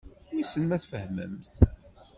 Wissen ma tfehmemt.